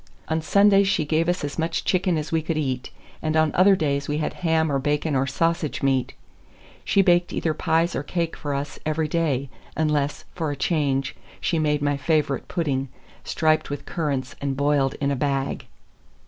On Sundays she gave us as much chicken as we could eat, and on other days we had ham or bacon or sausage meat. She baked either pies or cake for us every day, unless, for a change, she made my favorite pudding, striped with currants and boiled in a bag.